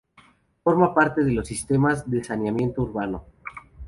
Forma parte de los sistemas de saneamiento urbano.